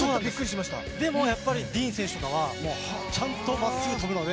でもディーン選手とかはちゃんとまっすぐ飛ぶので。